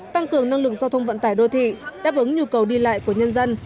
tăng cường năng lực giao thông vận tải đô thị đáp ứng nhu cầu đi lại của nhân dân